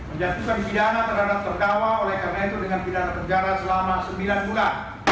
menjatuhkan pidana terhadap terdawa oleh karenanya dengan pidana penjara selama sembilan bulan